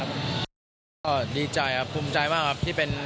ดีใจครับภูมิใจมากครับ